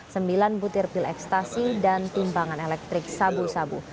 sembilan butir pil ekstasi dan timbangan elektrik sabu sabu